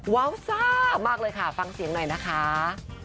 ว้าวซ่ามากเลยค่ะฟังเสียงหน่อยนะคะ